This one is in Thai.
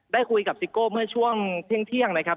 ได้คุยกับซิโก้เมื่อช่วงเที่ยงนะครับ